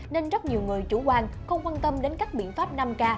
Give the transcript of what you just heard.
nên rất nhiều người chủ quan không quan tâm đến các biện pháp năm k